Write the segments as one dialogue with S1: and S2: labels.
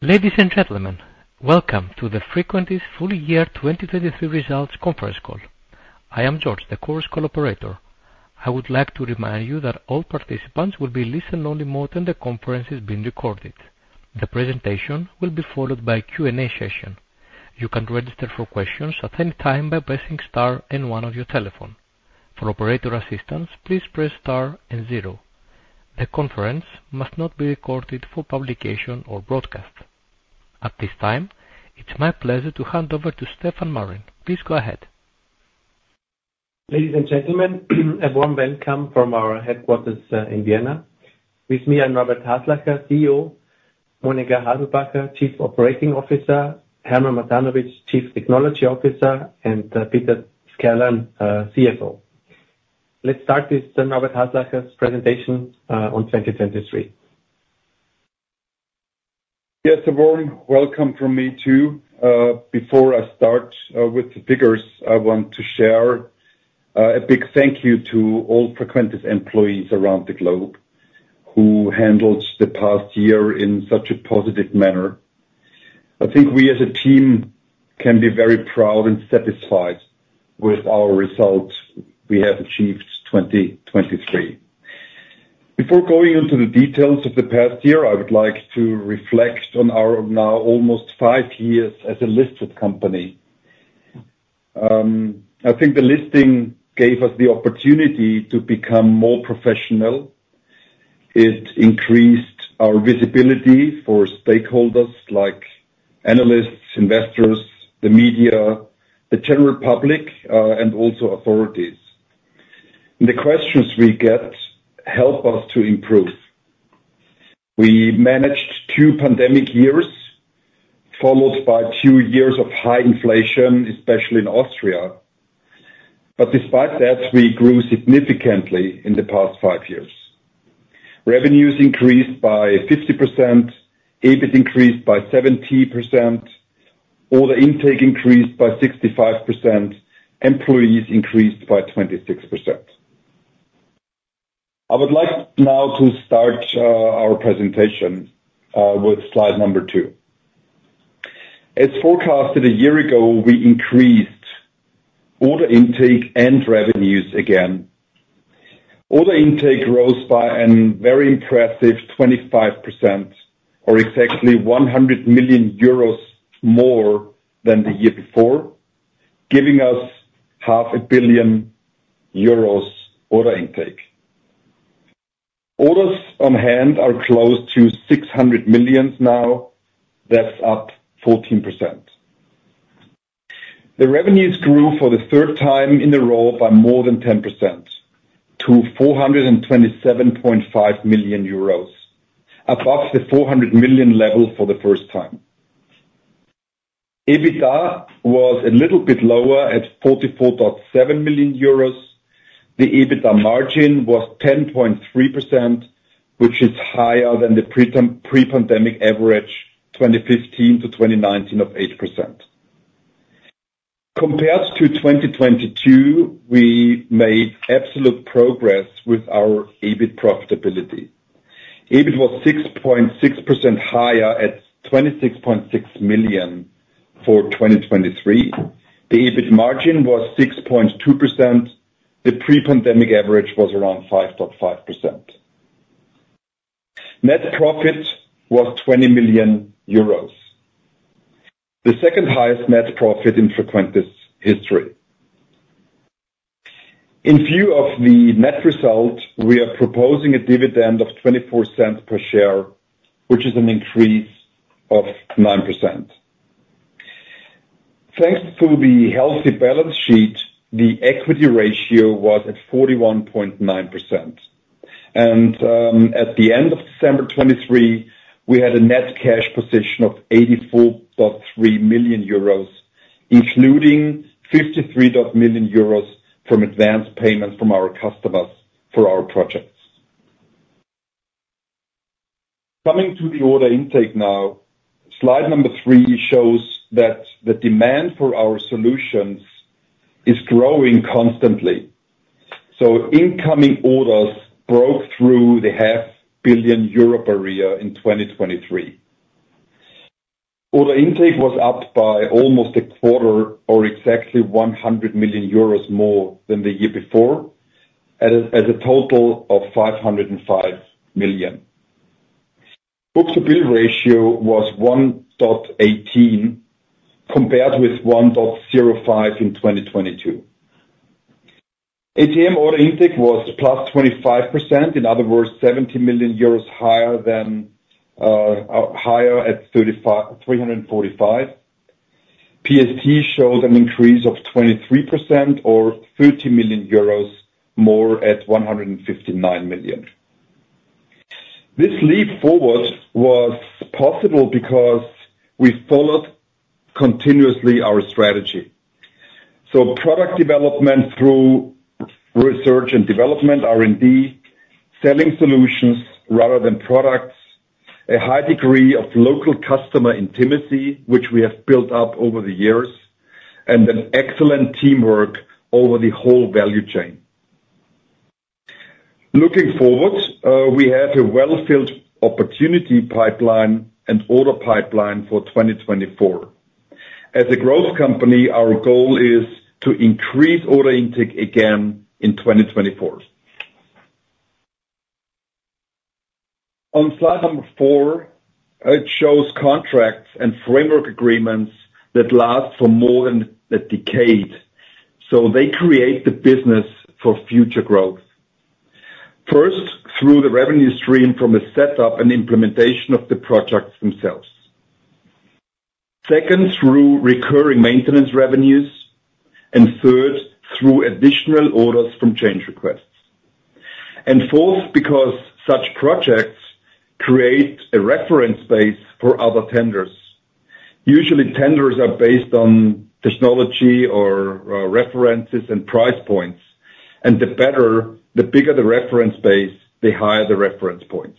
S1: Ladies and gentlemen, welcome to the Frequentis Full Year 2023 Results Conference Call. I am George, the conference operator. I would like to remind you that all participants will be in listen-only mode and the conference is being recorded. The presentation will be followed by a Q&A session. You can register for questions at any time by pressing star one on your telephone. For operator assistance, please press star zero. The conference must not be recorded for publication or broadcast. At this time, it's my pleasure to hand over to Stefan Marin. Please go ahead.
S2: Ladies and gentlemen, a warm welcome from our headquarters in Vienna. With me are Norbert Haslacher, CEO, Monika Haselbacher, Chief Operating Officer, Hermann Mattanovich, Chief Technology Officer, and Peter Skerlan, CFO. Let's start with Norbert Haslacher's presentation on 2023.
S3: Yes, a warm welcome from me too. Before I start with the figures, I want to share a big thank you to all Frequentis employees around the globe who handled the past year in such a positive manner. I think we as a team can be very proud and satisfied with our result we have achieved 2023. Before going into the details of the past year, I would like to reflect on our now almost five years as a listed company. I think the listing gave us the opportunity to become more professional. It increased our visibility for stakeholders like analysts, investors, the media, the general public, and also authorities. The questions we get help us to improve. We managed two pandemic years followed by two years of high inflation, especially in Austria. Despite that, we grew significantly in the past five years. Revenues increased by 50%, EBIT increased by 70%, order intake increased by 65%, employees increased by 26%. I would like now to start our presentation with slide number 2. As forecasted a year ago, we increased order intake and revenues again. Order intake rose by a very impressive 25% or exactly 100 million euros more than the year before, giving us 500 million euros order intake. Orders on hand are close to 600 million now. That's up 14%. The revenues grew for the third time in a row by more than 10% to 427.5 million euros, above the 400 million level for the first time. EBITDA was a little bit lower at 44.7 million euros. The EBITDA margin was 10.3%, which is higher than the pre-pandemic average 2015-2019 of 8%. Compared to 2022, we made absolute progress with our EBIT profitability. EBIT was 6.6% higher at 26.6 million for 2023. The EBIT margin was 6.2%. The pre-pandemic average was around 5.5%. Net profit was 20 million euros, the second highest net profit in Frequentis history. In view of the net result, we are proposing a dividend of 0.24 per share, which is an increase of 9%. Thanks to the healthy balance sheet, the equity ratio was at 41.9%. At the end of December 2023, we had a net cash position of 84.3 million euros, including 53.0 million euros from advance payments from our customers for our projects. Coming to the order intake now, slide number 3 shows that the demand for our solutions is growing constantly. Incoming orders broke through the 500 million euro barrier in 2023. Order intake was up by almost a quarter or exactly 100 million euros more than the year before at a total of 505 million. Book-to-bill ratio was 1.18 compared with 1.05 in 2022. ATM order intake was +25%. In other words, EUR 70 million higher at 345 million. PST showed an increase of 23% or 30 million euros more at 159 million. This leap forward was possible because we followed continuously our strategy. So product development through research and development, R&D, selling solutions rather than products, a high degree of local customer intimacy, which we have built up over the years, and then excellent teamwork over the whole value chain. Looking forward, we have a well-filled opportunity pipeline and order pipeline for 2024. As a growth company, our goal is to increase order intake again in 2024. On slide number four, it shows contracts and framework agreements that last for more than a decade. So they create the business for future growth, first through the revenue stream from the setup and implementation of the projects themselves, second through recurring maintenance revenues, and third through additional orders from change requests, and fourth because such projects create a reference base for other tenders. Usually, tenders are based on technology or references and price points. The bigger the reference base, the higher the reference points.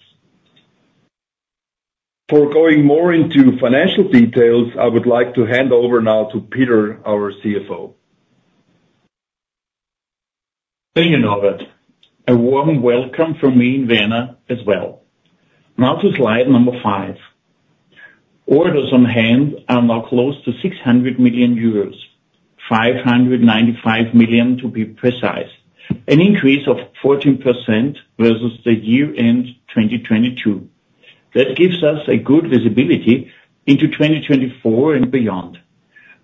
S3: For going more into financial details, I would like to hand over now to Peter, our CFO.
S4: Thank you, Norbert. A warm welcome from me in Vienna as well. Now to slide number 5. Orders on hand are now close to 600 million euros, 595 million to be precise, an increase of 14% versus the year-end 2022. That gives us a good visibility into 2024 and beyond.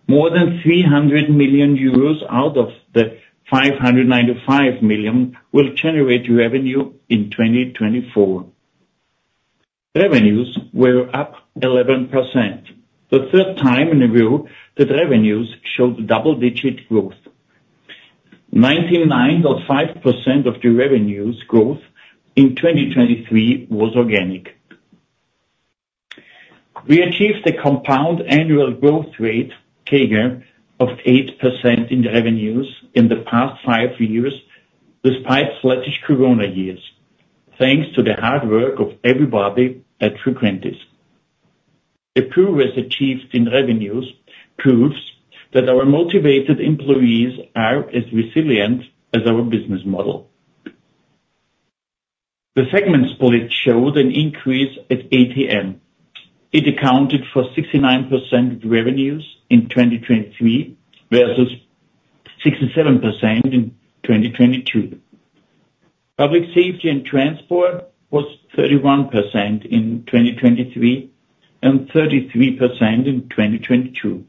S4: More than 300 million euros out of the 595 million will generate revenue in 2024. Revenues were up 11%, the third time in a row that revenues showed double-digit growth. 99.5% of the revenues growth in 2023 was organic. We achieved a compound annual growth rate, CAGR, of 8% in revenues in the past 5 years despite sluggish Corona years, thanks to the hard work of everybody at Frequentis. The progress achieved in revenues proves that our motivated employees are as resilient as our business model. The segments split showed an increase at ATM. It accounted for 69% of revenues in 2023 versus 67% in 2022. Public safety and transport was 31% in 2023 and 33% in 2022.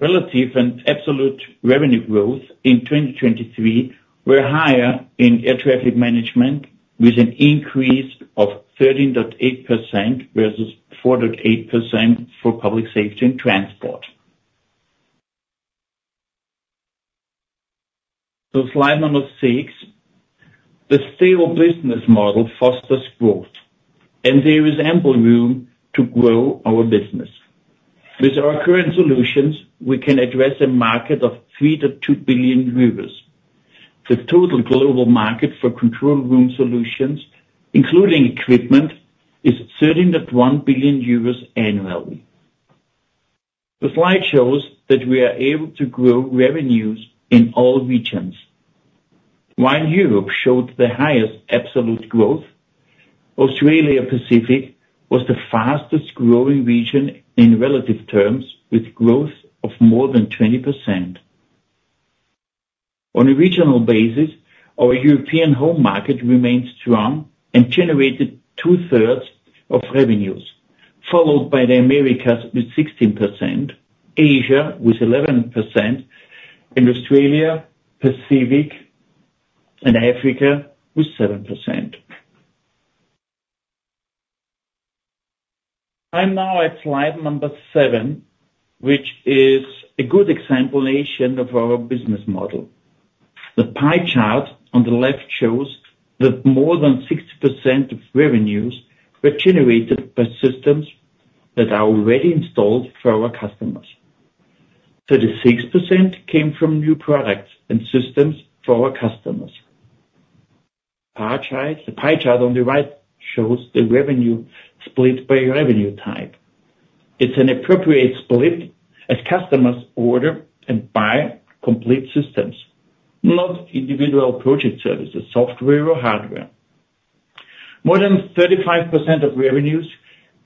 S4: Relative and absolute revenue growth in 2023 were higher in air traffic management, with an increase of 13.8% versus 4.8% for public safety and transport. So slide number 6. The stable business model fosters growth, and there is ample room to grow our business. With our current solutions, we can address a market of 3 billion-2 billion euros. The total global market for control room solutions, including equipment, is 13.1 billion euros annually. The slide shows that we are able to grow revenues in all regions. While Europe showed the highest absolute growth, Australia Pacific was the fastest-growing region in relative terms, with growth of more than 20%. On a regional basis, our European home market remained strong and generated two-thirds of revenues, followed by the Americas with 16%, Asia with 11%, and Australia Pacific and Africa with 7%. I'm now at slide number 7, which is a good exemplification of our business model. The pie chart on the left shows that more than 60% of revenues were generated by systems that are already installed for our customers. 36% came from new products and systems for our customers. The pie chart on the right shows the revenue split by revenue type. It's an appropriate split as customers order and buy complete systems, not individual project services, software or hardware. More than 35% of revenues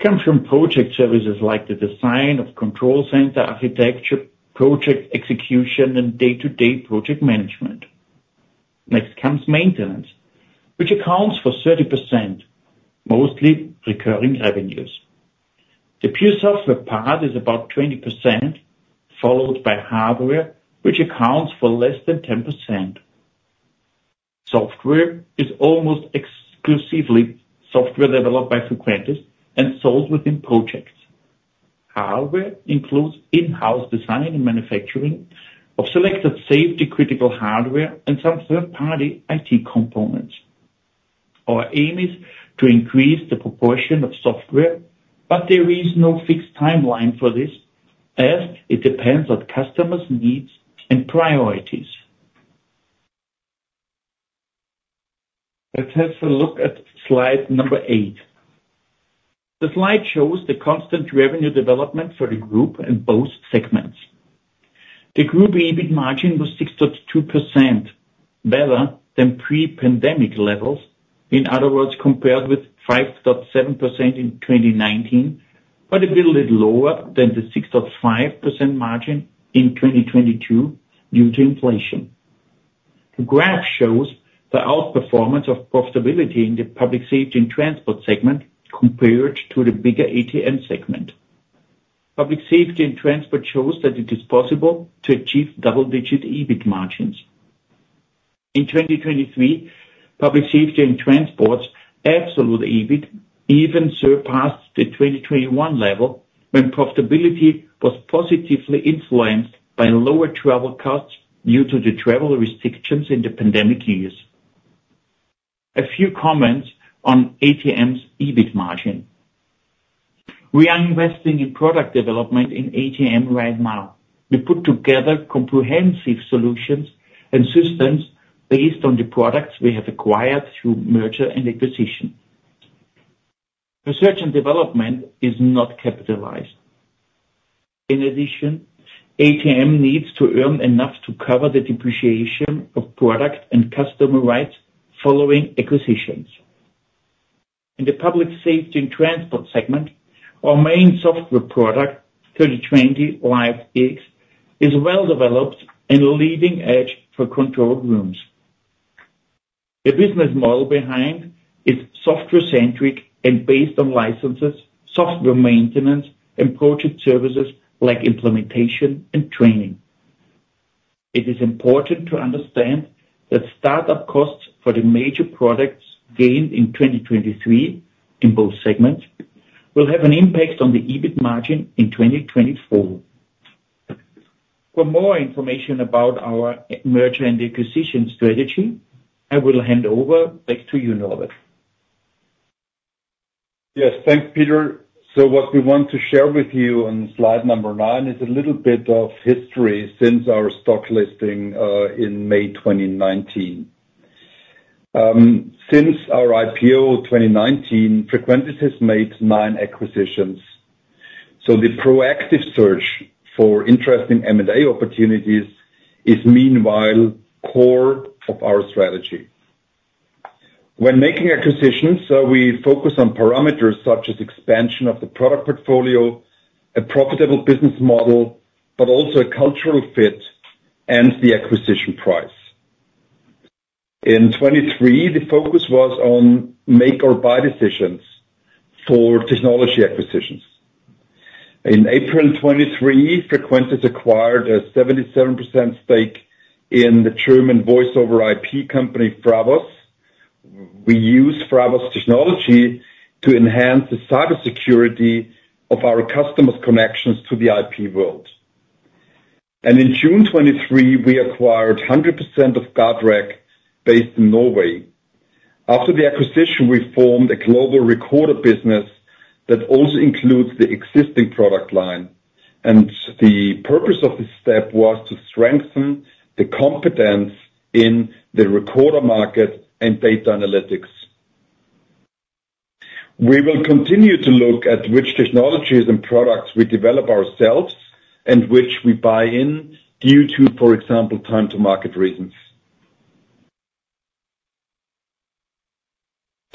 S4: come from project services like the design of control center architecture, project execution, and day-to-day project management. Next comes maintenance, which accounts for 30%, mostly recurring revenues. The pure software part is about 20%, followed by hardware, which accounts for less than 10%. Software is almost exclusively software developed by Frequentis and sold within projects. Hardware includes in-house design and manufacturing of selected safety-critical hardware and some third-party IT components. Our aim is to increase the proportion of software, but there is no fixed timeline for this as it depends on customers' needs and priorities. Let's have a look at slide number eight. The slide shows the constant revenue development for the group in both segments. The group EBIT margin was 6.2% better than pre-pandemic levels. In other words, compared with 5.7% in 2019, but a little bit lower than the 6.5% margin in 2022 due to inflation. The graph shows the outperformance of profitability in the public safety and transport segment compared to the bigger ATM segment. Public Safety and Transport shows that it is possible to achieve double-digit EBIT margins. In 2023, Public Safety and Transport's absolute EBIT even surpassed the 2021 level when profitability was positively influenced by lower travel costs due to the travel restrictions in the pandemic years. A few comments on ATM's EBIT margin. We are investing in product development in ATM right now. We put together comprehensive solutions and systems based on the products we have acquired through merger and acquisition. Research and development is not capitalized. In addition, ATM needs to earn enough to cover the depreciation of product and customer rights following acquisitions. In the Public Safety and Transport segment, our main software product, 3020 LifeX, is well developed and a leading edge for control rooms. The business model behind is software-centric and based on licenses, software maintenance, and project services like implementation and training. It is important to understand that startup costs for the major products gained in 2023 in both segments will have an impact on the EBIT margin in 2024. For more information about our merger and acquisition strategy, I will hand over back to you, Norbert.
S3: Yes. Thanks, Peter. So what we want to share with you on slide number 9 is a little bit of history since our stock listing in May 2019. Since our IPO 2019, Frequentis has made 9 acquisitions. So the proactive search for interesting M&A opportunities is, meanwhile, core of our strategy. When making acquisitions, we focus on parameters such as expansion of the product portfolio, a profitable business model, but also a cultural fit and the acquisition price. In 2023, the focus was on make-or-buy decisions for technology acquisitions. In April 2023, Frequentis acquired a 77% stake in the German voice-over-IP company FRAFOS. We use FRAFOS technology to enhance the cybersecurity of our customers' connections to the IP world. And in June 2023, we acquired 100% of GuardREC based in Norway. After the acquisition, we formed a global recorder business that also includes the existing product line. The purpose of this step was to strengthen the competence in the recorder market and data analytics. We will continue to look at which technologies and products we develop ourselves and which we buy in due to, for example, time-to-market reasons.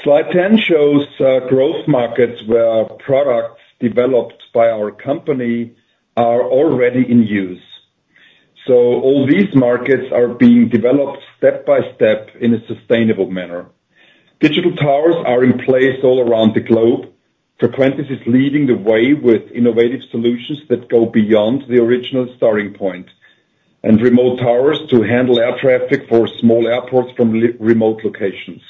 S3: Slide 10 shows growth markets where products developed by our company are already in use. So all these markets are being developed step by step in a sustainable manner. Digital towers are in place all around the globe. Frequentis is leading the way with innovative solutions that go beyond the original starting point and remote towers to handle air traffic for small airports from remote locations.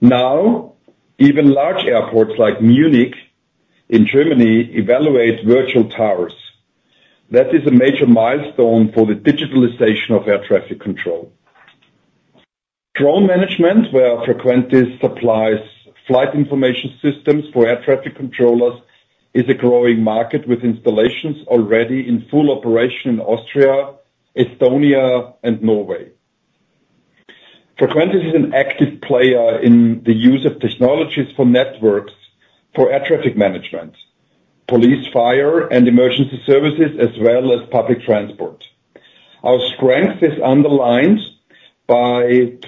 S3: Now, even large airports like Munich in Germany evaluate virtual towers. That is a major milestone for the digitalization of air traffic control. Drone management, where Frequentis supplies flight information systems for air traffic controllers, is a growing market with installations already in full operation in Austria, Estonia, and Norway. Frequentis is an active player in the use of technologies for networks for air traffic management, police, fire, and emergency services, as well as public transport. Our strength is underlined by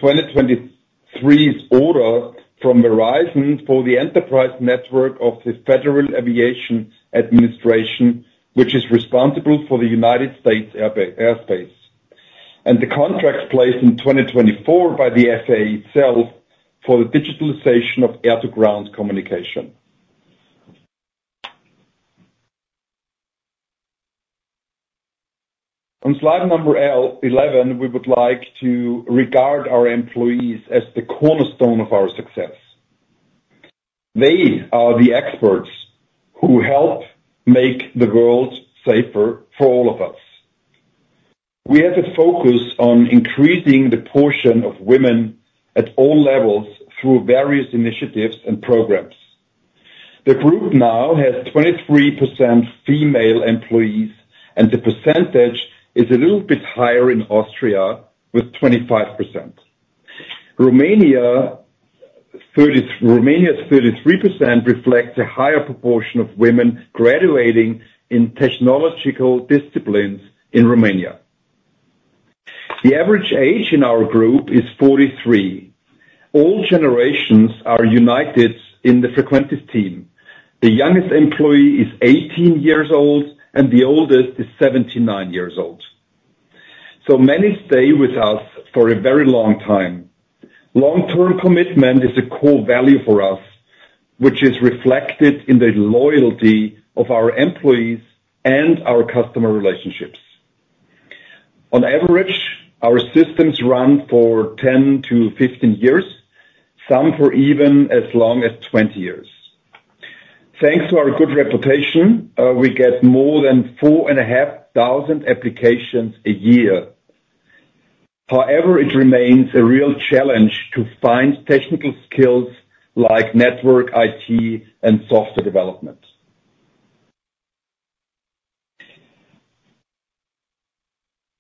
S3: 2023's order from Verizon for the enterprise network of the Federal Aviation Administration, which is responsible for the United States airspace, and the contract placed in 2024 by the FAA itself for the digitalization of air-to-ground communication. On slide number 11, we would like to regard our employees as the cornerstone of our success. They are the experts who help make the world safer for all of us. We have a focus on increasing the portion of women at all levels through various initiatives and programs. The group now has 23% female employees, and the percentage is a little bit higher in Austria with 25%. Romania's 33% reflect a higher proportion of women graduating in technological disciplines in Romania. The average age in our group is 43. All generations are united in the Frequentis team. The youngest employee is 18 years old, and the oldest is 79 years old. So many stay with us for a very long time. Long-term commitment is a core value for us, which is reflected in the loyalty of our employees and our customer relationships. On average, our systems run for 10-15 years, some for even as long as 20 years. Thanks to our good reputation, we get more than 4,500 applications a year. However, it remains a real challenge to find technical skills like network IT and software development.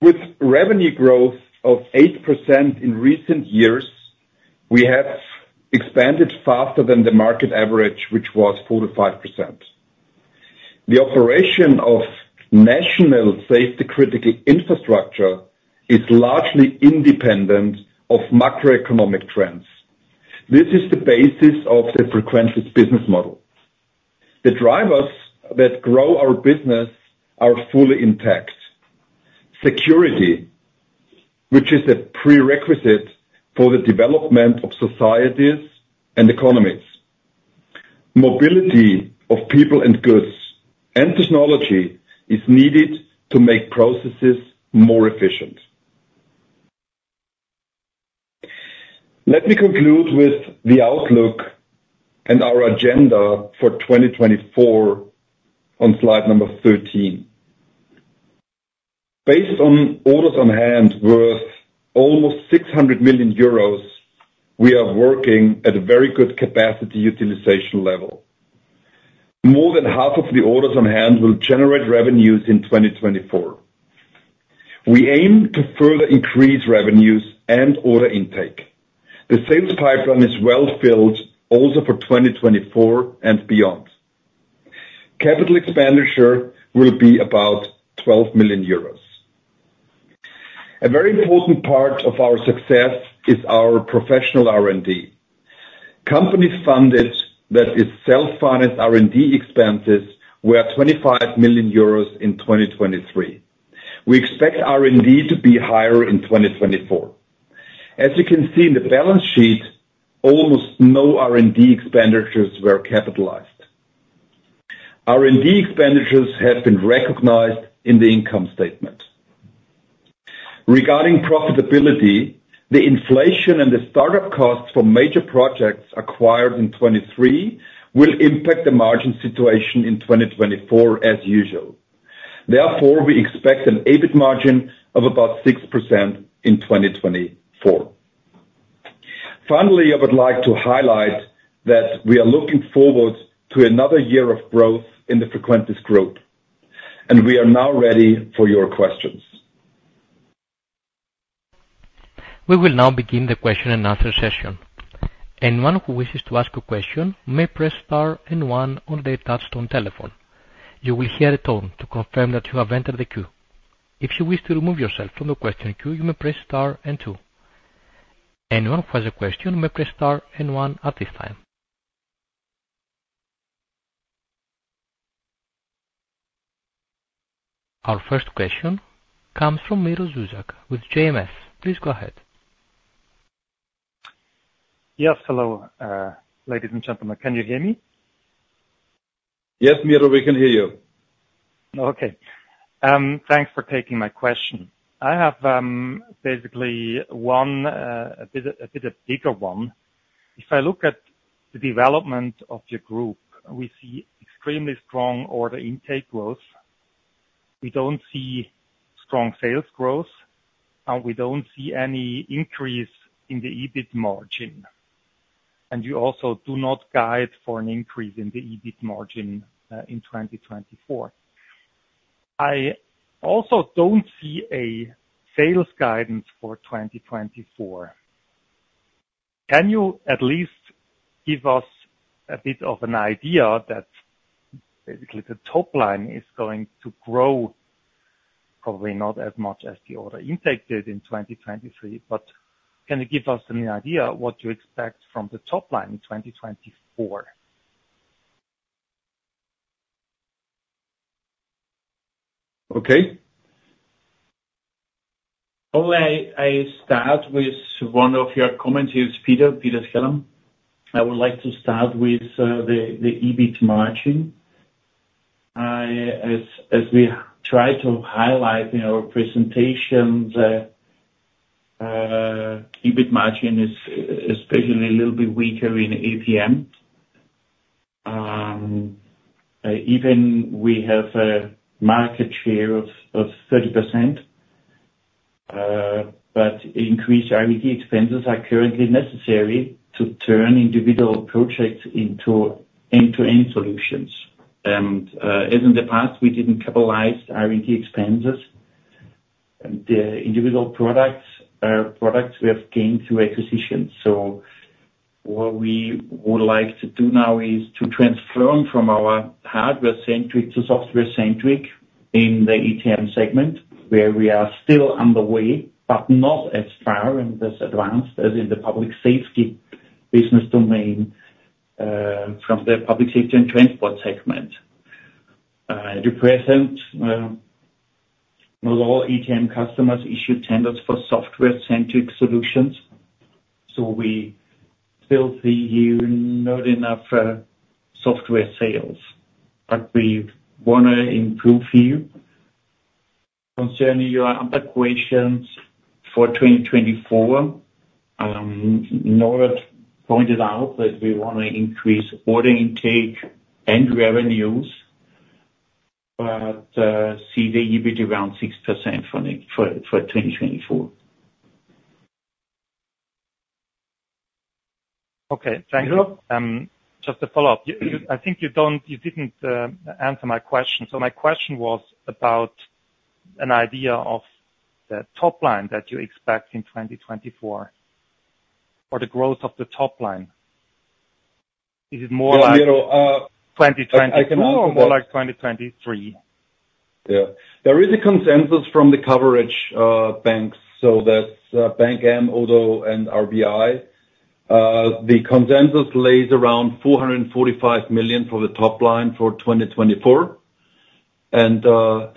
S3: With revenue growth of 8% in recent years, we have expanded faster than the market average, which was 4%-5%. The operation of national safety-critical infrastructure is largely independent of macroeconomic trends. This is the basis of the Frequentis business model. The drivers that grow our business are fully intact: security, which is a prerequisite for the development of societies and economies, mobility of people and goods, and technology is needed to make processes more efficient. Let me conclude with the outlook and our agenda for 2024 on slide number 13. Based on orders on hand worth almost 600 million euros, we are working at a very good capacity utilization level. More than half of the orders on hand will generate revenues in 2024. We aim to further increase revenues and order intake. The sales pipeline is well filled also for 2024 and beyond. Capital expenditure will be about 12 million euros. A very important part of our success is our professional R&D. Our self-financed R&D expenses were 25 million euros in 2023. We expect R&D to be higher in 2024. As you can see in the balance sheet, almost no R&D expenditures were capitalized. R&D expenditures have been recognized in the income statement. Regarding profitability, the inflation and the startup costs for major projects acquired in 2023 will impact the margin situation in 2024 as usual. Therefore, we expect an EBIT margin of about 6% in 2024. Finally, I would like to highlight that we are looking forward to another year of growth in the Frequentis group. We are now ready for your questions.
S1: We will now begin the question-and-answer session. Anyone who wishes to ask a question may press star and one on the touch-tone telephone. You will hear a tone to confirm that you have entered the queue. If you wish to remove yourself from the question queue, you may press star and two. Anyone who has a question may press star and one at this time. Our first question comes from Miro Zuzak with JMS. Please go ahead.
S5: Yes. Hello, ladies and gentlemen. Can you hear me?
S3: Yes, Miro. We can hear you.
S5: Okay. Thanks for taking my question. I have basically one, a bit a bigger one. If I look at the development of your group, we see extremely strong order intake growth. We don't see strong sales growth. We don't see any increase in the EBIT margin. And you also do not guide for an increase in the EBIT margin in 2024. I also don't see a sales guidance for 2024. Can you at least give us a bit of an idea that basically the top line is going to grow, probably not as much as the order intake did in 2023, but can you give us an idea what you expect from the top line in 2024?
S4: Okay. Probably I start with one of your comments. Here's Peter, Peter Skerlan. I would like to start with the EBIT margin. As we tried to highlight in our presentations, EBIT margin is especially a little bit weaker in ATM. Even we have a market share of 30%. But increased R&D expenses are currently necessary to turn individual projects into end-to-end solutions. And as in the past, we didn't capitalize R&D expenses. And the individual products, we have gained through acquisitions. So what we would like to do now is to transform from our hardware-centric to software-centric in the ATM segment, where we are still underway but not as far and as advanced as in the public safety business domain from the public safety and transport segment. At present, not all ATM customers issue tenders for software-centric solutions. So we still see here not enough software sales. We want to improve here. Concerning your other questions for 2024, Norbert pointed out that we want to increase order intake and revenues but see the EBIT around 6% for 2024.
S5: Okay. Thank you. Just to follow up, I think you didn't answer my question. So my question was about an idea of the top line that you expect in 2024 or the growth of the top line. Is it more like 2024 or more like 2023?
S3: Yeah. There is a consensus from the coverage banks. So that's BankM, Oddo, and RBI. The consensus lies around 445 million for the top line for 2024. And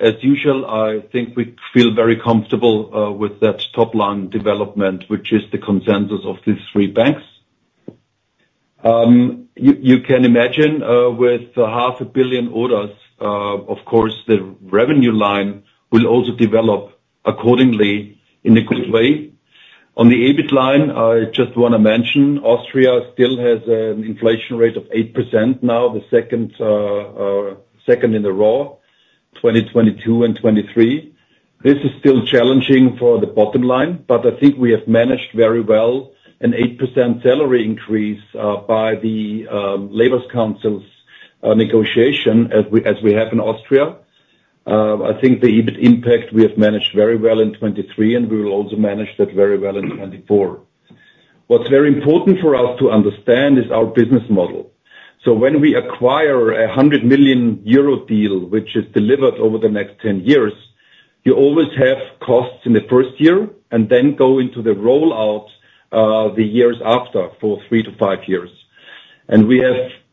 S3: as usual, I think we feel very comfortable with that top line development, which is the consensus of these three banks. You can imagine with 500 million orders, of course, the revenue line will also develop accordingly in a good way. On the EBIT line, I just want to mention Austria still has an inflation rate of 8% now, the second in a row, 2022 and 2023. This is still challenging for the bottom line. But I think we have managed very well an 8% salary increase by the Labor Council's negotiation as we have in Austria. I think the EBIT impact we have managed very well in 2023, and we will also manage that very well in 2024. What's very important for us to understand is our business model. So when we acquire a 100 million euro deal, which is delivered over the next 10 years, you always have costs in the first year and then go into the rollout the years after for 3-5 years. And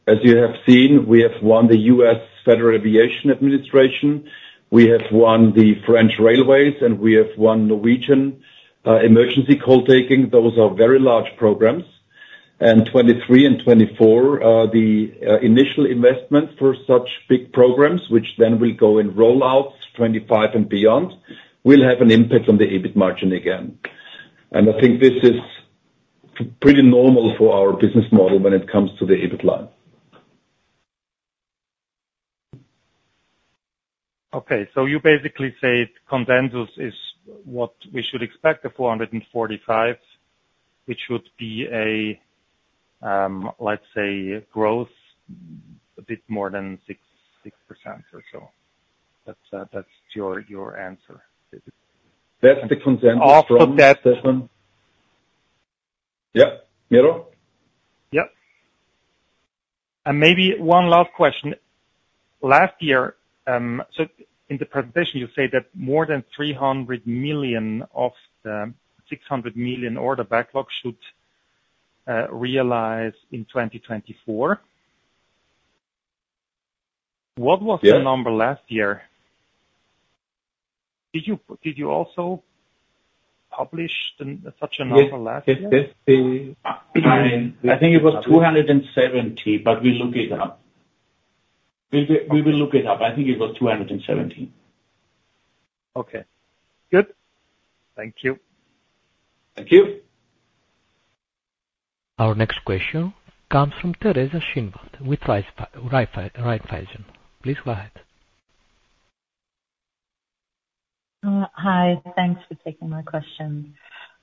S3: as you have seen, we have won the U.S. Federal Aviation Administration. We have won the French Railways, and we have won Norwegian emergency call-taking. Those are very large programs. And 2023 and 2024, the initial investments for such big programs, which then will go in rollouts 2025 and beyond, will have an impact on the EBIT margin again. And I think this is pretty normal for our business model when it comes to the EBIT line.
S5: Okay. So you basically say consensus is what we should expect, the 445 million, which would be a, let's say, growth a bit more than 6% or so. That's your answer.
S3: That's the consensus from the session. After that, yeah. Miro?
S5: Yep. And maybe one last question. Last year, so in the presentation, you say that more than 300 million of the 600 million order backlog should realize in 2024. What was the number last year? Did you also publish such a number last year?
S4: Yes. Yes. Yes. I think it was 270, but we'll look it up. We will look it up. I think it was 270.
S5: Okay. Good. Thank you.
S3: Thank you.
S1: Our next question comes from Teresa Schinwald with Raiffeisen. Please go ahead.
S6: Hi. Thanks for taking my question.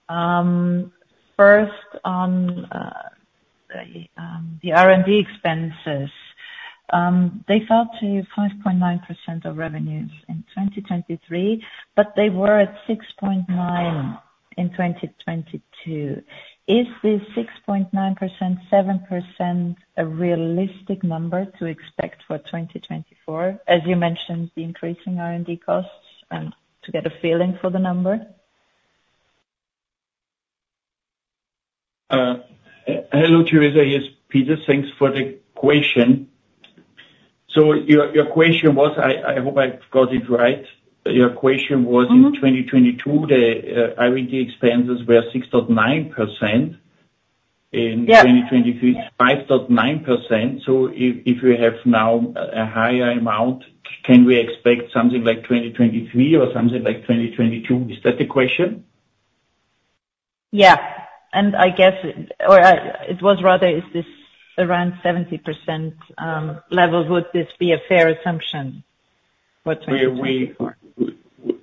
S6: First, on the R&D expenses, they fell to 5.9% of revenues in 2023, but they were at 6.9% in 2022. Is this 6.9%, 7%, a realistic number to expect for 2024, as you mentioned, the increasing R&D costs, and to get a feeling for the number?
S4: Hello, Teresa. Here's Peter. Thanks for the question. So your question was, I hope I've got it right. Your question was in 2022, the R&D expenses were 6.9%. In 2023, it's 5.9%. So if we have now a higher amount, can we expect something like 2023 or something like 2022? Is that the question?
S6: Yes. I guess, or rather, is this around 70% level? Would this be a fair assumption for 2024?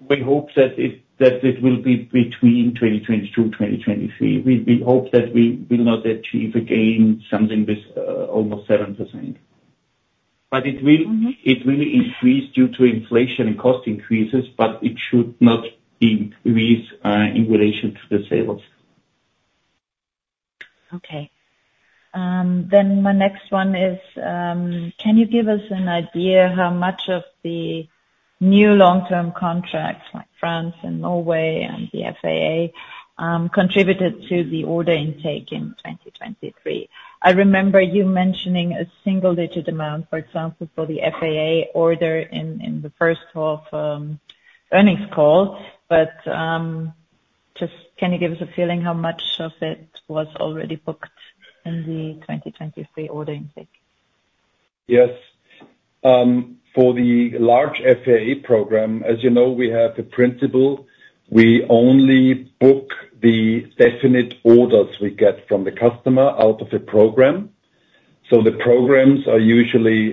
S4: We hope that it will be between 2022 and 2023. We hope that we will not achieve again something with almost 7%. But it will increase due to inflation and cost increases, but it should not increase in relation to the sales.
S6: Okay. Then my next one is, can you give us an idea how much of the new long-term contracts like France and Norway and the FAA contributed to the order intake in 2023? I remember you mentioning a single-digit amount, for example, for the FAA order in the first half earnings call. But just can you give us a feeling how much of it was already booked in the 2023 order intake?
S3: Yes. For the large FAA program, as you know, we have a principle. We only book the definite orders we get from the customer out of the program. So the programs are usually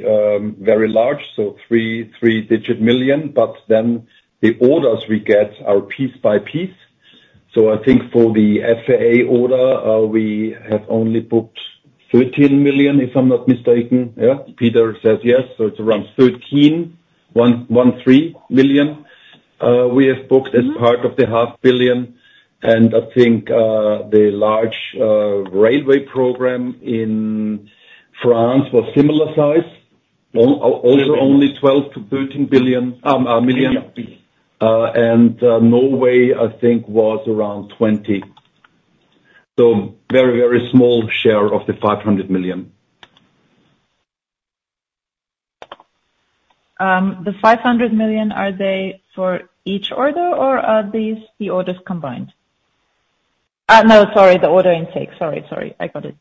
S3: very large, so three-digit million. But then the orders we get are piece by piece. So I think for the FAA order, we have only booked 13 million, if I'm not mistaken. Yeah? Peter says yes. So it's around 13 million. We have booked as part of the 500 million. And I think the large railway program in France was similar size, also only 12 million-13 million. And Norway, I think, was around 20 million. So very, very small share of the 500 million.
S6: The 500 million, are they for each order, or are these the orders combined? No, sorry. The order intake. Sorry, sorry. I got it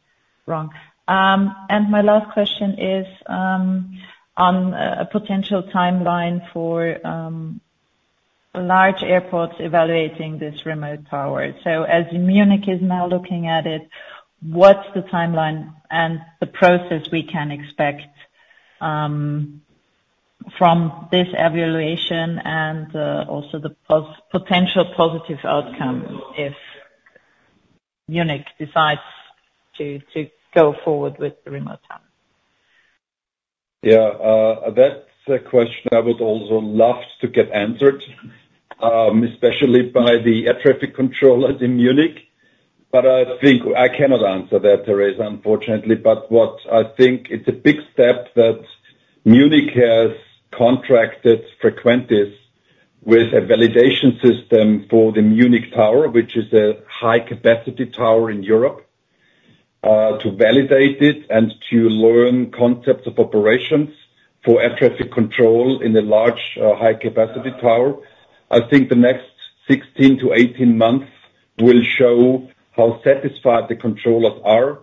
S6: wrong. My last question is on a potential timeline for large airports evaluating this remote tower. So as Munich is now looking at it, what's the timeline and the process we can expect from this evaluation and also the potential positive outcome if Munich decides to go forward with the remote tower?
S3: Yeah. That's a question I would also love to get answered, especially by the air traffic controllers in Munich. But I cannot answer that, Teresa, unfortunately. But what I think it's a big step that Munich has contracted Frequentis with a validation system for the Munich Tower, which is a high-capacity tower in Europe, to validate it and to learn concepts of operations for air traffic control in a large, high-capacity tower. I think the next 16-18 months will show how satisfied the controllers are.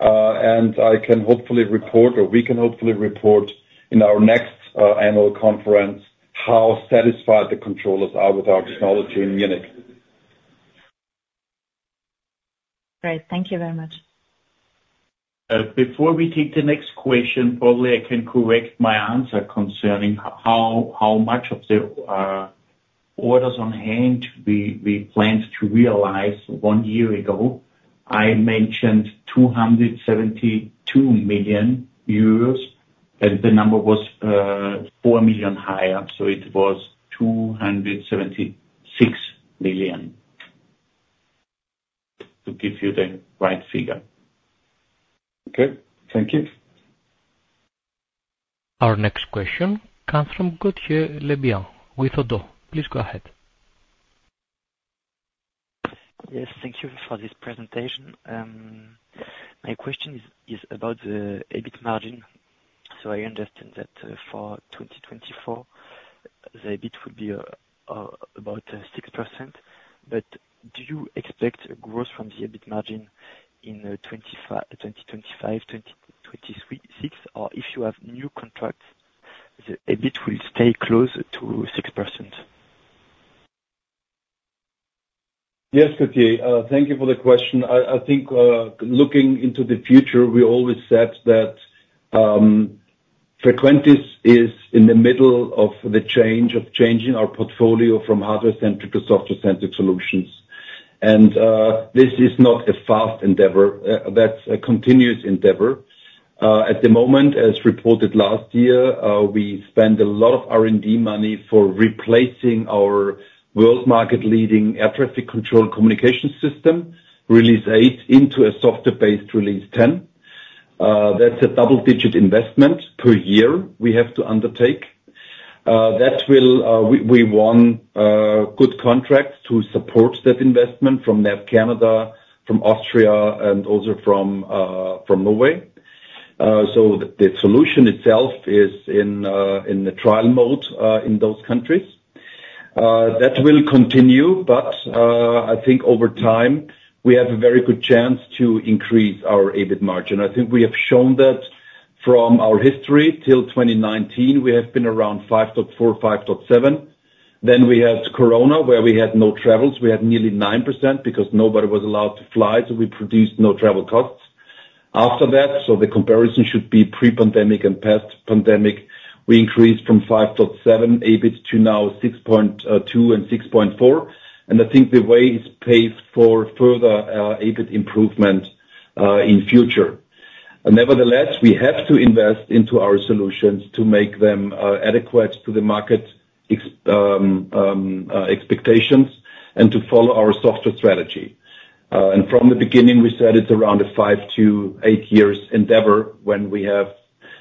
S3: I can hopefully report or we can hopefully report in our next annual conference how satisfied the controllers are with our technology in Munich.
S6: Great. Thank you very much.
S4: Before we take the next question, probably I can correct my answer concerning how much of the orders on hand we planned to realize one year ago. I mentioned 272 million euros, and the number was 4 million higher. So it was 276 million to give you the right figure.
S3: Okay. Thank you.
S1: Our next question comes from Gottlieb Lebuhn with Oddo. Please go ahead.
S7: Yes. Thank you for this presentation. My question is about the EBIT margin. So I understand that for 2024, the EBIT would be about 6%. But do you expect a growth from the EBIT margin in 2025, 2026, or if you have new contracts, the EBIT will stay close to 6%?
S3: Yes, Gottlieb. Thank you for the question. I think looking into the future, we always said that Frequentis is in the middle of the change of changing our portfolio from hardware-centric to software-centric solutions. And this is not a fast endeavor. That's a continuous endeavor. At the moment, as reported last year, we spend a lot of R&D money for replacing our world-market-leading air traffic control communication system, Release 8, into a software-based Release 10. That's a double-digit investment per year we have to undertake. We won good contracts to support that investment from NAV Canada, from Austria, and also from Norway. So the solution itself is in the trial mode in those countries. That will continue. But I think over time, we have a very good chance to increase our EBIT margin. I think we have shown that from our history till 2019, we have been around 5.4%, 5.7%. Then we had Corona, where we had no travels. We had nearly 9% because nobody was allowed to fly, so we produced no travel costs. After that, so the comparison should be pre-pandemic and past pandemic, we increased from 5.7% EBIT to now 6.2% and 6.4%. And I think the way is paved for further EBIT improvement in future. Nevertheless, we have to invest into our solutions to make them adequate to the market expectations and to follow our software strategy. And from the beginning, we said it's around a 5-8 years endeavor when we have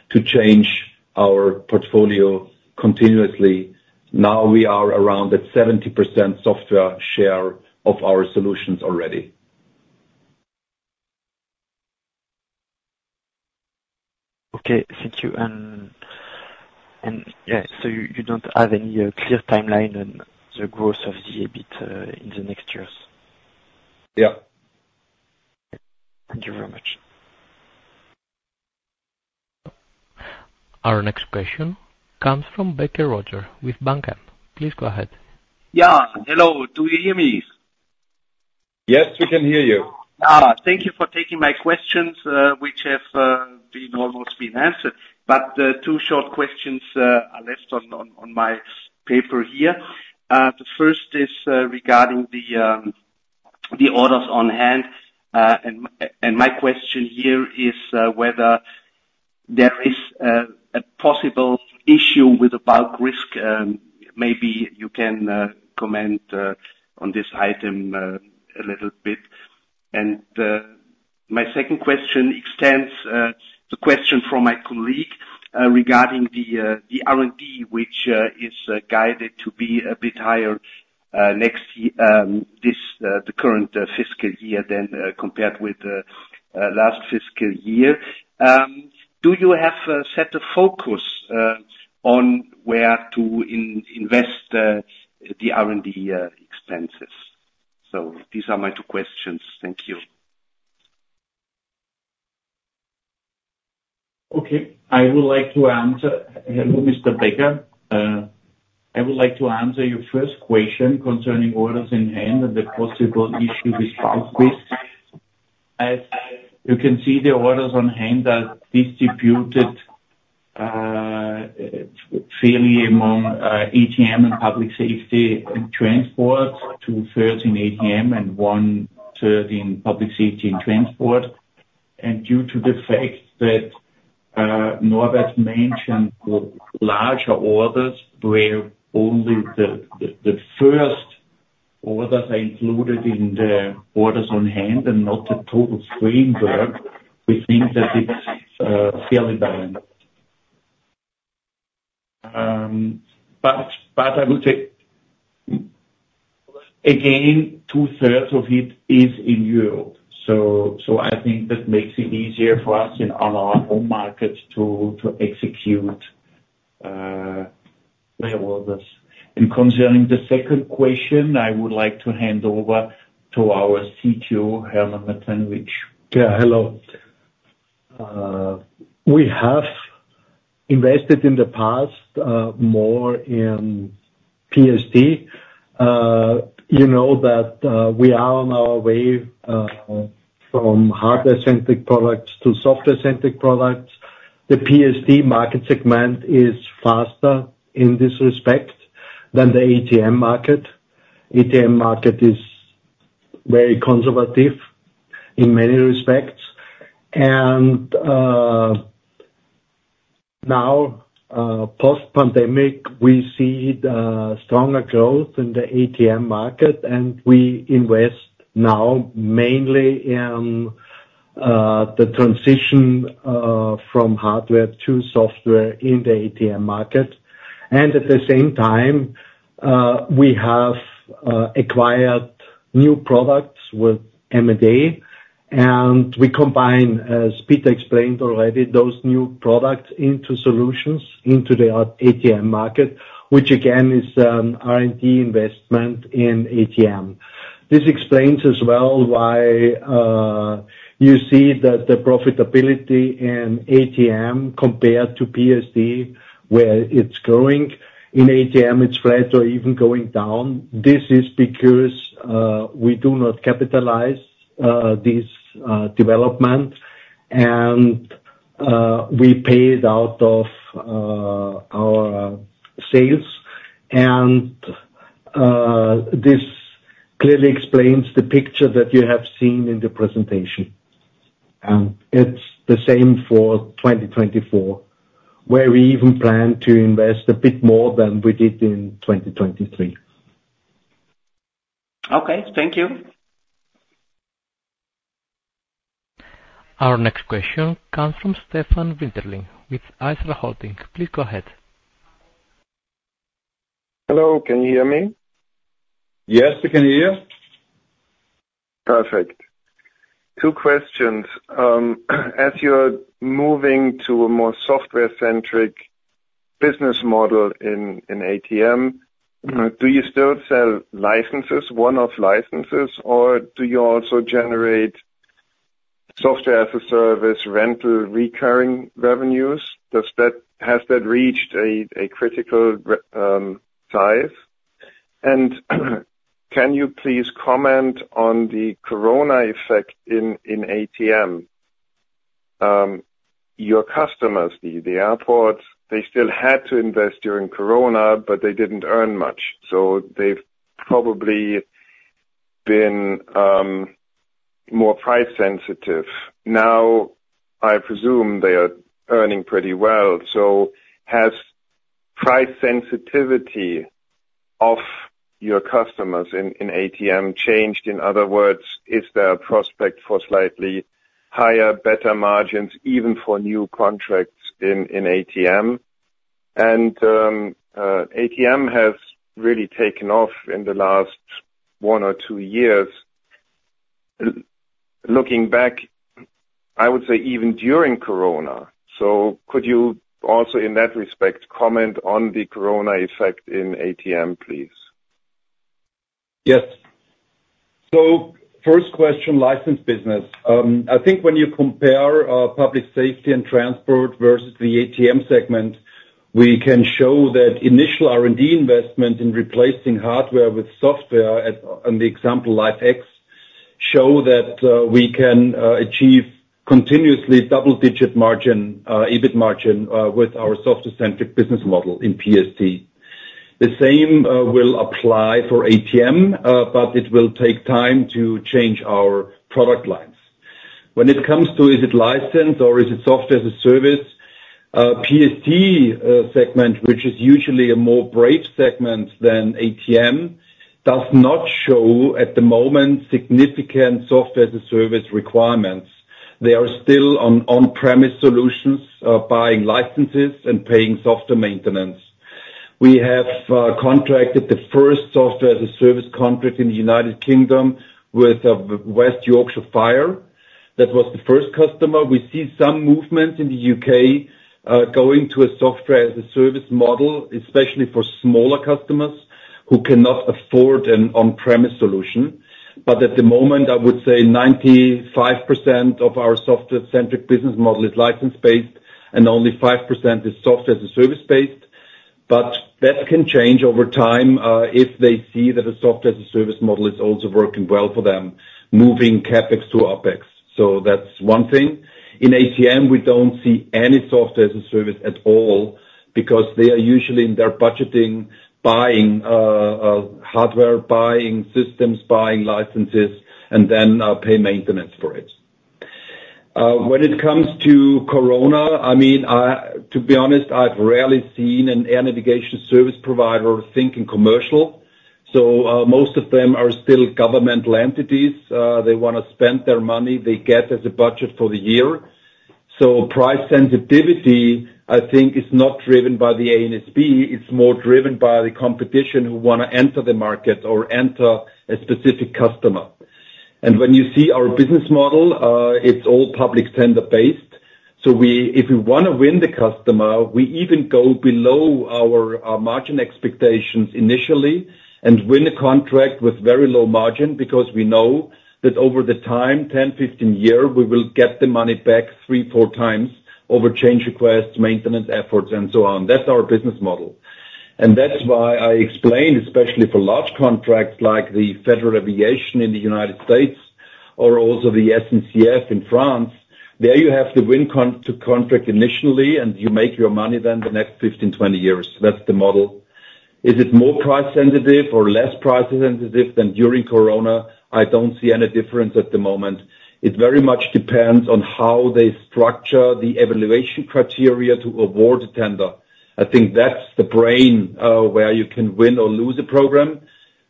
S3: to change our portfolio continuously. Now we are around at 70% software share of our solutions already.
S7: Okay. Thank you. Yeah, so you don't have any clear timeline on the growth of the EBIT in the next years?
S3: Yeah.
S7: Thank you very much.
S1: Our next question comes from Roger Becker with BankM. Please go ahead.
S8: Yeah. Hello. Do you hear me?
S3: Yes, we can hear you.
S8: Thank you for taking my questions, which have almost been answered. But two short questions are left on my paper here. The first is regarding the orders on hand. And my question here is whether there is a possible issue with the bulk risk. Maybe you can comment on this item a little bit. And my second question extends to the question from my colleague regarding the R&D, which is guided to be a bit higher next year, the current fiscal year, then compared with the last fiscal year. Do you have a set of focus on where to invest the R&D expenses? So these are my two questions. Thank you.
S4: Okay. I would like to answer. Hello, Mr. Becker. I would like to answer your first question concerning orders in hand and the possible issue with bulk risk. As you can see, the orders on hand are distributed fairly among ATM and public safety and transport, two-thirds in ATM and one-third in public safety and transport. Due to the fact that Norbert mentioned larger orders where only the first orders are included in the orders on hand and not the total framework, we think that it's fairly balanced. I would say, again, two-thirds of it is in Europe. I think that makes it easier for us on our home market to execute their orders. Concerning the second question, I would like to hand over to our CTO, Hermann Mattanovich.
S9: Yeah. Hello. We have invested in the past more in PSD. You know that we are on our way from hardware-centric products to software-centric products. The PSD market segment is faster in this respect than the ATM market. ATM market is very conservative in many respects. And now, post-pandemic, we see stronger growth in the ATM market. And we invest now mainly in the transition from hardware to software in the ATM market. And at the same time, we have acquired new products with M&A. And we combine, as Peter explained already, those new products into solutions into the ATM market, which again is an R&D investment in ATM. This explains as well why you see that the profitability in ATM compared to PSD, where it's growing, in ATM, it's flat or even going down. This is because we do not capitalize this development, and we pay it out of our sales. This clearly explains the picture that you have seen in the presentation. It's the same for 2024, where we even plan to invest a bit more than we did in 2023.
S8: Okay. Thank you.
S1: Our next question comes from Stefan Winterling with Isar Holding. Please go ahead.
S10: Hello. Can you hear me?
S3: Yes, we can hear you.
S10: Perfect. Two questions. As you're moving to a more software-centric business model in ATM, do you still sell licenses, one-off licenses, or do you also generate software as a service, rental, recurring revenues? Has that reached a critical size? And can you please comment on the Corona effect in ATM? Your customers, the airports, they still had to invest during Corona, but they didn't earn much. So they've probably been more price-sensitive. Now, I presume they are earning pretty well. So has price sensitivity of your customers in ATM changed? In other words, is there a prospect for slightly higher, better margins, even for new contracts in ATM? And ATM has really taken off in the last one or two years, looking back, I would say even during Corona. So could you also, in that respect, comment on the Corona effect in ATM, please?
S3: Yes. So first question, license business. I think when you compare public safety and transport versus the ATM segment, we can show that initial R&D investment in replacing hardware with software, on the example LifeX, shows that we can achieve continuously double-digit margin, EBIT margin, with our software-centric business model in PSD. The same will apply for ATM, but it will take time to change our product lines. When it comes to, is it licensed or is it software as a service, PSD segment, which is usually a more brave segment than ATM, does not show at the moment significant software-as-a-service requirements. They are still on-premise solutions, buying licenses and paying software maintenance. We have contracted the first software-as-a-service contract in the United Kingdom with West Yorkshire Fire. That was the first customer. We see some movements in the U.K. going to a software-as-a-service model, especially for smaller customers who cannot afford an on-premise solution. But at the moment, I would say 95% of our software-centric business model is license-based, and only 5% is software-as-a-service-based. But that can change over time if they see that a software-as-a-service model is also working well for them, moving CapEx to OpEx. So that's one thing. In ATM, we don't see any software-as-a-service at all because they are usually, in their budgeting, buying hardware, buying systems, buying licenses, and then pay maintenance for it. When it comes to ANSPs, I mean, to be honest, I've rarely seen an air navigation service provider thinking commercial. So most of them are still governmental entities. They want to spend their money. They get as a budget for the year. So price sensitivity, I think, is not driven by the ANSP. It's more driven by the competition who want to enter the market or enter a specific customer. And when you see our business model, it's all public tender-based. So if we want to win the customer, we even go below our margin expectations initially and win a contract with very low margin because we know that over time, 10, 15 years, we will get the money back three, four times over change requests, maintenance efforts, and so on. That's our business model. And that's why I explain, especially for large contracts like the Federal Aviation in the United States or also the SNCF in France, there you have to win the contract initially, and you make your money then the next 15, 20 years. That's the model. Is it more price sensitive or less price sensitive than during Corona? I don't see any difference at the moment. It very much depends on how they structure the evaluation criteria to award a tender. I think that's the brain where you can win or lose a program,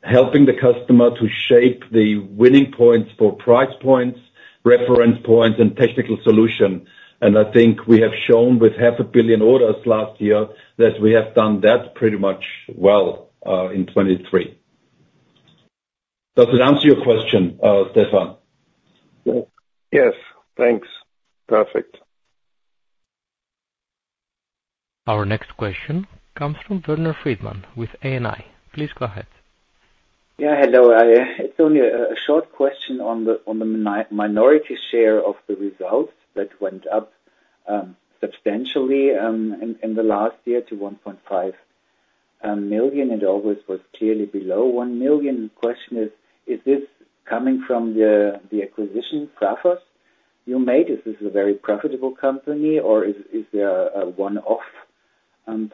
S3: helping the customer to shape the winning points for price points, reference points, and technical solution. I think we have shown with 500 million orders last year that we have done that pretty much well in 2023. Does it answer your question, Stefan?
S10: Yes. Thanks. Perfect.
S1: Our next question comes from Werner Friedmann with A&I. Please go ahead.
S11: Yeah. Hello. It's only a short question on the minority share of the results that went up substantially in the last year to 1.5 million. It always was clearly below 1 million. The question is, is this coming from the acquisition, FRAFOS, you made? Is this a very profitable company, or is there a one-off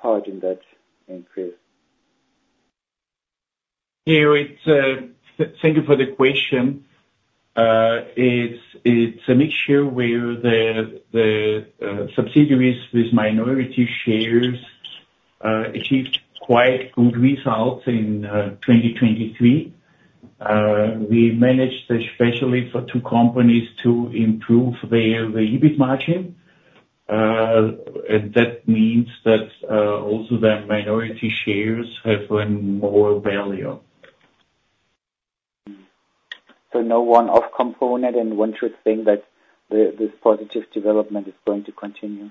S11: part in that increase?
S4: Yeah. Thank you for the question. It's a mixture where the subsidiaries with minority shares achieved quite good results in 2023. We managed especially for two companies to improve their EBIT margin. That means that also their minority shares have earned more value.
S11: So no one-off component, and one should think that this positive development is going to continue?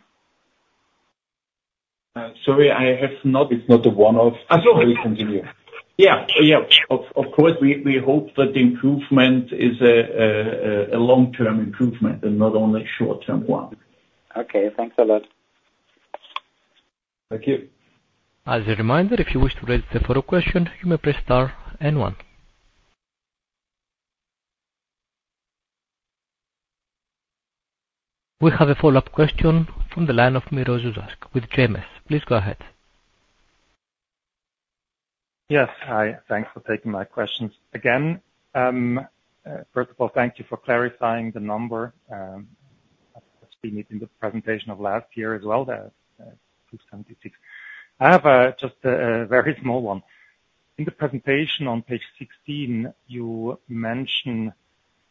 S4: Sorry. It's not a one-off. It will continue. Yeah. Yeah. Of course, we hope that the improvement is a long-term improvement and not only a short-term one.
S11: Okay. Thanks a lot.
S3: Thank you.
S1: As a reminder, if you wish to register for a question, you may press star and one. We have a follow-up question from the line of Miro Zuzak with JMS. Please go ahead.
S5: Yes. Hi. Thanks for taking my questions. Again, first of all, thank you for clarifying the number. I think we needed the presentation of last year as well. That's 276. I have just a very small one. In the presentation on page 16, you mention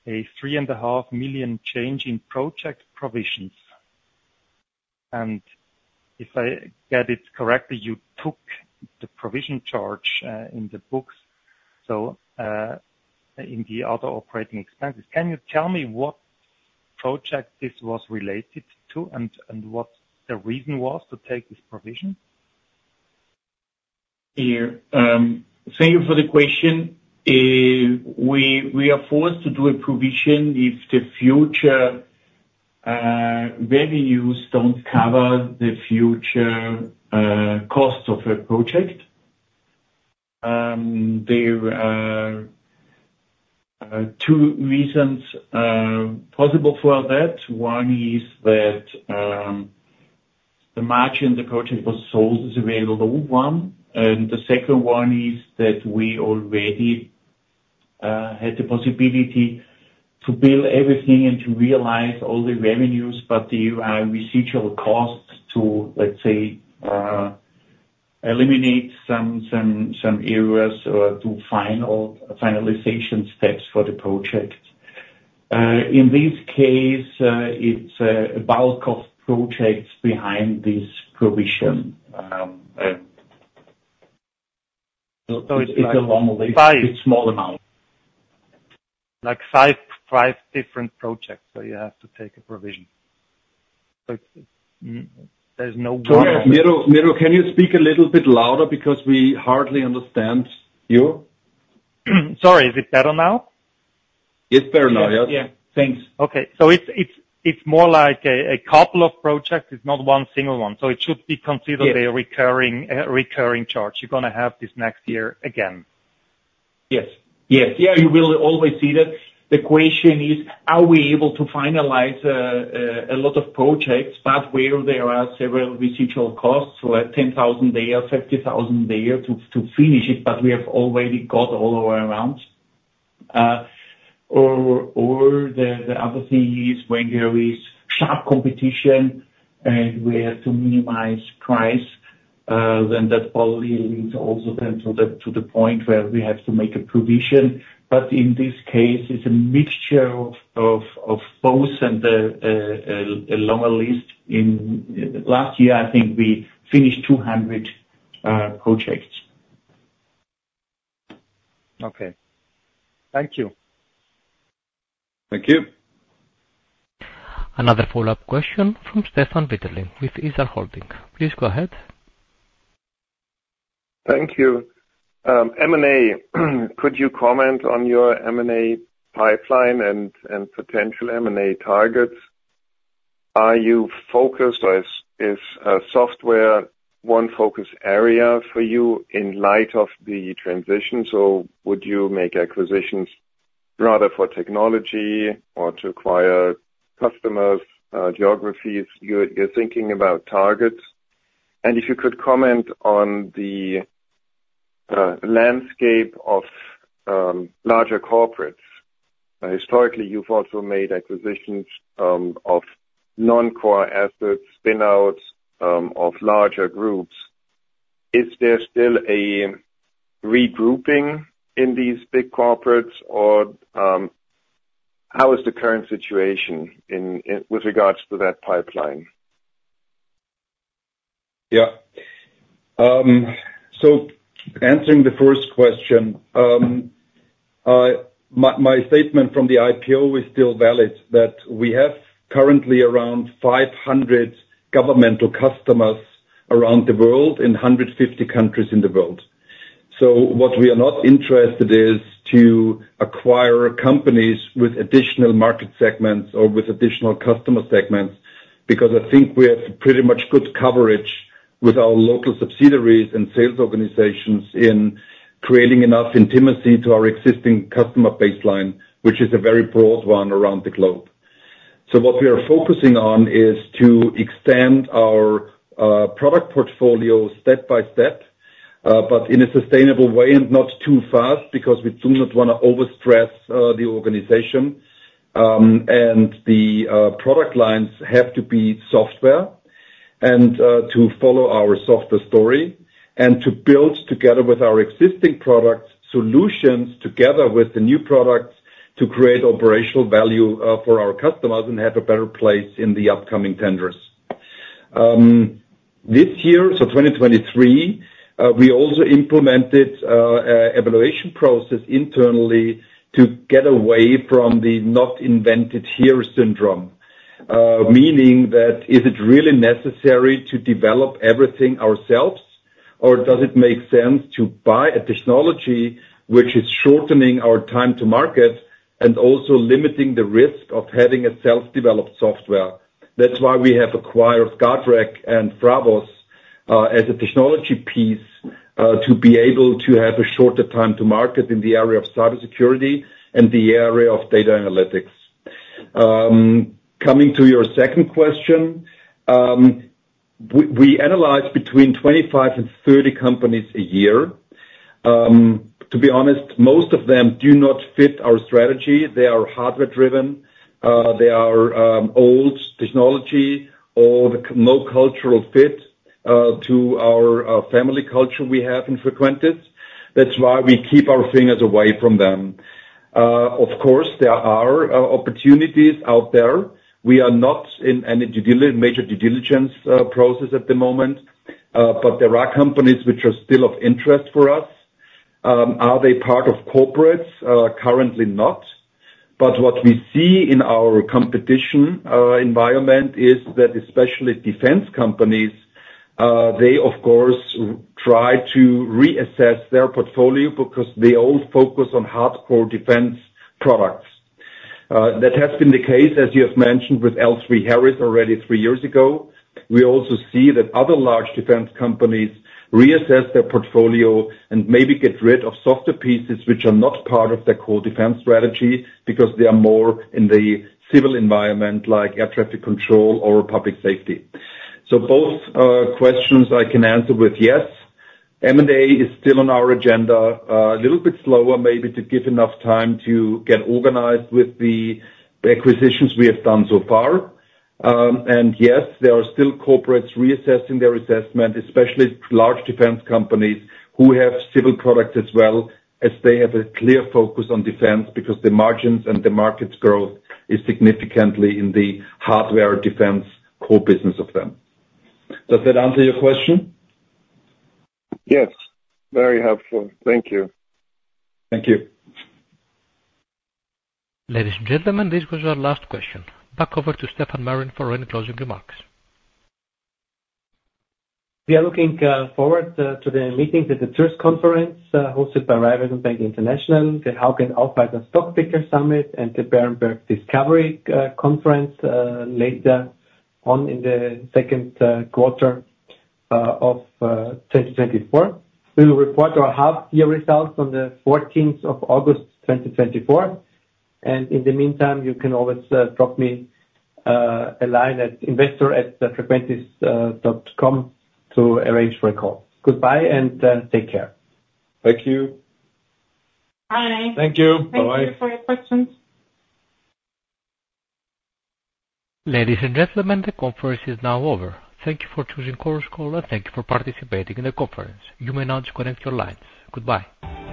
S5: a 3.5 million change in project provisions. If I get it correctly, you took the provision charge in the books, so in the other operating expenses. Can you tell me what project this was related to and what the reason was to take this provision?
S4: Yeah. Thank you for the question. We are forced to do a provision if the future revenues don't cover the future cost of a project. There are two reasons possible for that. One is that the margin the project was sold is a very low one. And the second one is that we already had the possibility to bill everything and to realize all the revenues, but there are residual costs to, let's say, eliminate some errors or do finalization steps for the project. In this case, it's a bulk of projects behind this provision. It's a long list. It's a small amount.
S5: Like five different projects where you have to take a provision. So there's no one-off.
S3: Sorry. Miro, can you speak a little bit louder because we hardly understand you?
S5: Sorry. Is it better now?
S3: It's better now. Yes.
S4: Yeah. Thanks.
S5: Okay. So it's more like a couple of projects. It's not one single one. So it should be considered a recurring charge. You're going to have this next year again.
S4: Yes. Yes. Yeah. You will always see that. The question is, are we able to finalize a lot of projects, but where there are several residual costs like 10,000 there, 50,000 there to finish it, but we have already got all the way around? Or the other thing is when there is sharp competition and we have to minimize price, then that probably leads also then to the point where we have to make a provision. But in this case, it's a mixture of both and a longer list. Last year, I think we finished 200 projects.
S5: Okay. Thank you.
S3: Thank you.
S1: Another follow-up question from Stefan Winterling with Isar Holding. Please go ahead.
S10: Thank you. M&A, could you comment on your M&A pipeline and potential M&A targets? Are you focused or is software one focus area for you in light of the transition? So would you make acquisitions rather for technology or to acquire customers, geographies? You're thinking about targets. And if you could comment on the landscape of larger corporates. Historically, you've also made acquisitions of non-core assets, spin-outs of larger groups. Is there still a regrouping in these big corporates, or how is the current situation with regards to that pipeline?
S3: Yeah. So answering the first question, my statement from the IPO is still valid that we have currently around 500 governmental customers around the world in 150 countries in the world. So what we are not interested in is to acquire companies with additional market segments or with additional customer segments because I think we have pretty much good coverage with our local subsidiaries and sales organizations in creating enough intimacy to our existing customer baseline, which is a very broad one around the globe. So what we are focusing on is to extend our product portfolio step by step, but in a sustainable way and not too fast because we do not want to overstress the organization. The product lines have to be software and to follow our software story and to build together with our existing product solutions together with the new products to create operational value for our customers and have a better place in the upcoming tenders. This year, so 2023, we also implemented an evaluation process internally to get away from the not-invented-here syndrome, meaning that is it really necessary to develop everything ourselves, or does it make sense to buy a technology which is shortening our time to market and also limiting the risk of having a self-developed software? That's why we have acquired GuardREC and FRAFOS as a technology piece to be able to have a shorter time to market in the area of cybersecurity and the area of data analytics. Coming to your second question, we analyze between 25 and 30 companies a year. To be honest, most of them do not fit our strategy. They are hardware-driven. They are old technology or no cultural fit to our family culture we have in Frequentis. That's why we keep our fingers away from them. Of course, there are opportunities out there. We are not in any major due diligence process at the moment, but there are companies which are still of interest for us. Are they part of corporates? Currently, not. But what we see in our competition environment is that especially defense companies, they, of course, try to reassess their portfolio because they all focus on hardcore defense products. That has been the case, as you have mentioned, with L3Harris already three years ago. We also see that other large defense companies reassess their portfolio and maybe get rid of softer pieces which are not part of their core defense strategy because they are more in the civil environment like air traffic control or public safety. So both questions I can answer with yes. M&A is still on our agenda, a little bit slower maybe to give enough time to get organized with the acquisitions we have done so far. And yes, there are still corporates reassessing their assessment, especially large defense companies who have civil products as well as they have a clear focus on defense because the margins and the market growth is significantly in the hardware defense core business of them. Does that answer your question?
S10: Yes. Very helpful. Thank you.
S3: Thank you.
S1: Ladies and gentlemen, this was our last question. Back over to Stefan Marin for any closing remarks.
S2: We are looking forward to the meetings at the Zürs Conference hosted by Raiffeisen Bank International, the Hauck & Aufhäuser Stockpicker Summit, and the Berenberg Discovery Conference later on in the second quarter of 2024. We will report our half-year results on the 14th of August, 2024. In the meantime, you can always drop me a line at investor@frequentis.com to arrange for a call. Goodbye and take care.
S10: Thank you.
S12: Alright.
S10: Thank you. Bye-bye.
S12: Thank you for your questions.
S1: Ladies and gentlemen, the conference is now over. Thank you for choosing Chorus Call, and thank you for participating in the conference. You may now disconnect your lines. Goodbye.